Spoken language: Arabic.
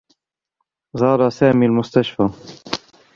زار سامي المستشفى.